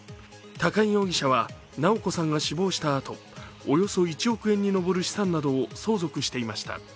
高井容疑者は直子さんが死亡したあと、およそ１億円に上る資産などを相続していました。